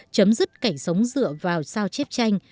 chấm dứt cảnh sống dựa vào sao chép tranh